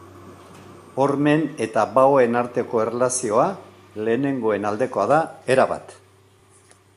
Hormen eta baoen arteko erlazioa lehenengoen aldekoa da, erabat.